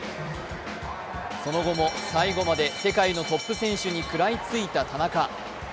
その後も最後まで世界のトップ選手に食らいついた田中。